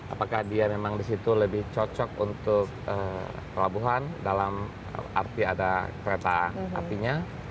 apakah dia memang di situ lebih cocok untuk pelabuhan dalam arti ada kereta apinya